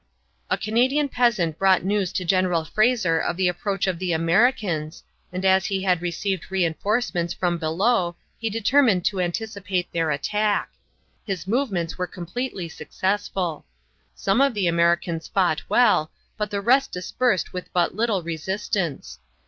A Canadian peasant brought news to General Fraser of the approach of the Americans, and as he had received re enforcements from below he determined to anticipate their attack. His movements were completely successful. Some of the Americans fought well, but the rest dispersed with but little resistance.